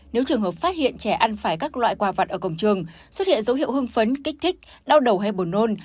nếu trường hợp phát hiện trẻ ăn phải các loại quà vặt ở cổng trường xuất hiện dấu hiệu hưng phấn kích thích đau đầu hay buồn nôn